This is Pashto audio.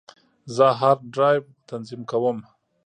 زه هارد ډرایو تنظیم کوم.